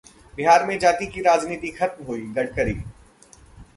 बिहार में जाति की राजनीति खत्म हुई: गडकरी